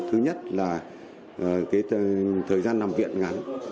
thứ nhất là thời gian nằm viện ngắn